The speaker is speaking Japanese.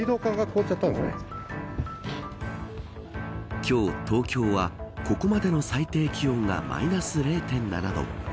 今日、東京はここまでの最低気温がマイナス０．７度。